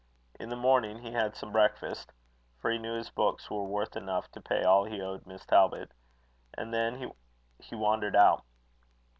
In the morning he had some breakfast (for he knew his books were worth enough to pay all he owed Miss Talbot), and then he wandered out.